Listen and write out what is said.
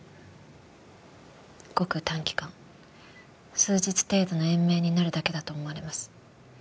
ごく短期間数日程度の延命になるだけだと思われます。